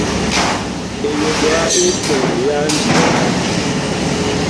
Eyoɓo á ésɛl é anji.